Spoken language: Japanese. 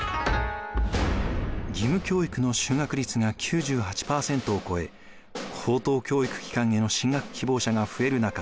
義務教育の就学率が９８％を超え高等教育機関への進学希望者が増える中